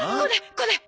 これ！